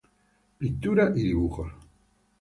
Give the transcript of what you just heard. Pintura y dibujos.